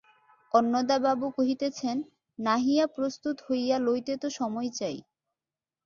অন্নদাবাবু কহিতেছেন, নাহিয়া প্রস্তুত হইয়া লইতে তো সময় চাই।